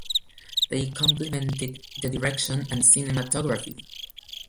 They complimented the direction and cinematography.